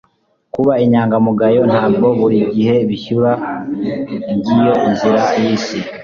kuba inyangamugayo ntabwo buri gihe byishyura ngiyo inzira y'isi